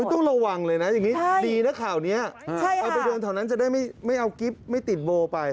ก็ต้องระวังเลยนะอย่างนี้ดีนะข่าวนี้เอาไปด้วยที่แถวนั้นจะได้ไม่เอากิฟต์ไม่ติดโบปลูกผมไป